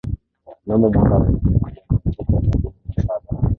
Mnamo mwaka wa elfu moja mia tisa sabini na saba